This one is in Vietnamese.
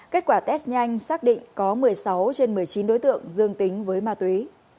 kết quả test nhanh xác định có một mươi sáu trên một mươi chín đối tượng dương tính với ma túy